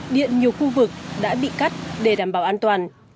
điện nhiều khu vực đã bị cắt để đảm bảo an toàn